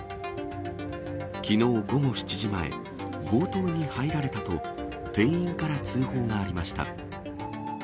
きのう午後７時前、強盗に入られたと、店員から通報がありました。